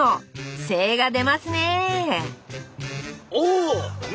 精が出ますね